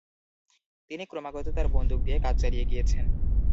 তিনি ক্রমাগত তার বন্দুক দিয়ে কাজ চালিয়ে গিয়েছেন।